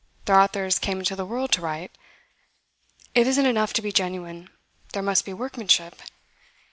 Their authors came into the world to write. It isn't enough to be genuine; there must be workmanship.